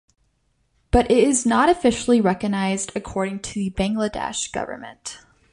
But it is not officially recognized according to the Bangladesh government.